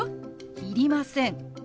「いりません」。